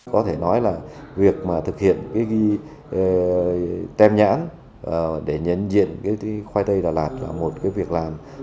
có thể nói là việc thực hiện cái ghi tem nhãn để nhấn diện khoai tây đà lạt là một việc làm